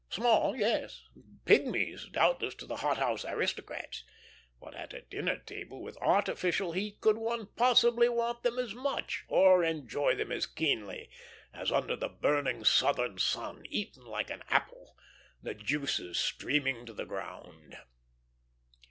Small, yes; pygmies doubtless to the hot house aristocrats; but at a dinner table with artificial heat could one possibly want them as much, or enjoy them as keenly, as under the burning southern sun, eaten like an apple, the juice streaming to the ground?